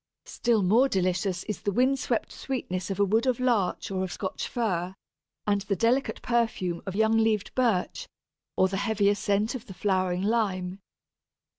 Still more delicious is the wind swept sweetness of a wood of Larch or of Scotch Fir, and the delicate perfume of young leaved Birch, or the heavier scent of the flowering Lime.